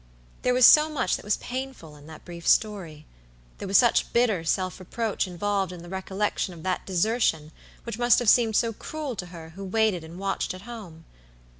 There was so much that was painful in that brief story! There was such bitter self reproach involved in the recollection of that desertion which must have seemed so cruel to her who waited and watched at home!